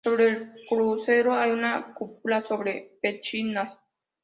Sobre el crucero hay una cúpula sobre pechinas.